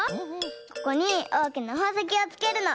ここにおおきなほうせきをつけるの。